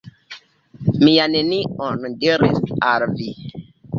Mi ja nenion diris al vi!